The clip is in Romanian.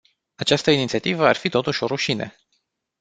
Această inițiativă ar fi totuși o rușine.